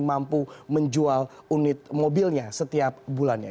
mampu menjual unit mobilnya setiap bulannya